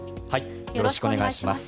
よろしくお願いします。